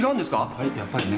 はいやっぱりね。